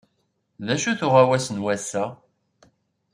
D acu-t uɣawas n wass-a?